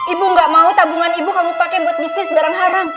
ibu gak mau tabungan ibu kamu pakai buat bisnis barang haram